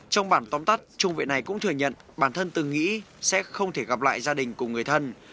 trong bản tóm tắt trung vệ này cũng thừa nhận bản thân từng nghĩ sẽ không thể gặp lại gia đình cùng người thân